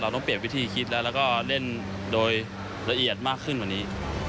ต้องเปลี่ยนวิธีคิดแล้วแล้วก็เล่นโดยละเอียดมากขึ้นกว่านี้